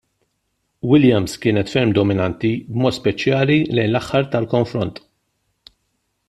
Williams kienet ferm dominanti, b'mod speċjali lejn l-aħħar tal-konfront.